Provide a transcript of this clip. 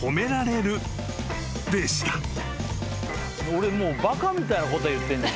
俺もうバカみたいな答え言ってんの？